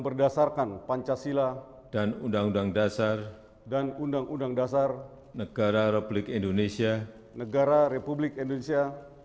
raya kebangsaan indonesia raya